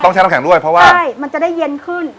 ใช้น้ำแข็งด้วยเพราะว่าใช่มันจะได้เย็นขึ้น